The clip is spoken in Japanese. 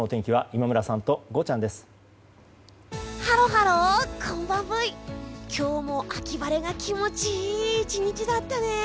今日も秋晴れが気持ちいい１日だったね！